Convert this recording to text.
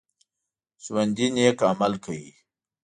ژوندي نیک عمل کوي